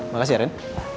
makasih ya ren